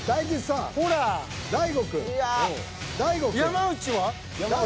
山内は？